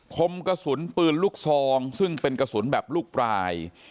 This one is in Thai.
คมกระสุนปืนลูกซองซึ่งเป็นกระสุนแบบลูกปลาย